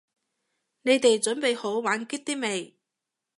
你哋準備好玩激啲未？